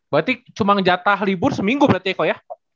berarti cuma jatah libur seminggu berarti ya kok ya yang praktis ya